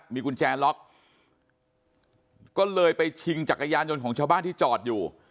มีกุญแจล็อกก็เลยไปชิงจักรยานยนต์ของชาวบ้านที่จอดอยู่